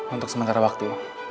untuk sementara waktu